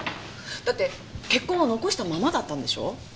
だって血痕は残したままだったんでしょう？